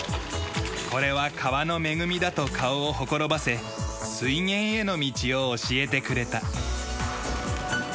これは川の恵みだと顔をほころばせ水源への道を教えてくれた。